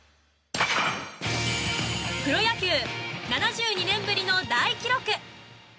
プロ野球７２年ぶりの大記録。